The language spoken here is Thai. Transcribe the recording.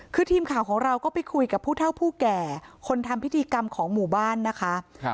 คือทีมข่าวของเราก็ไปคุยกับผู้เท่าผู้แก่คนทำพิธีกรรมของหมู่บ้านนะคะ